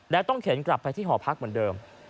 แล้วต้องเข็นกลับไปที่หอพักเหมือนเดิม